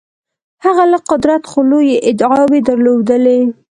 هغه لږ قدرت خو لویې ادعاوې درلودلې.